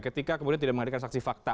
ketika kemudian tidak menghadirkan saksi fakta